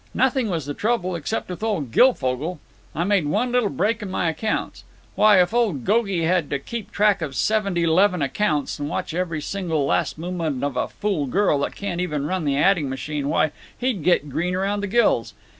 Nothing was the trouble. Except with old Goglefogle. I made one little break in my accounts. Why, if old Gogie had to keep track of seventy 'leven accounts and watch every single last movement of a fool girl that can't even run the adding machine, why, he'd get green around the gills.